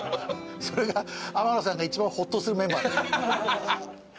それが天野さんが一番ホッとするメンバー。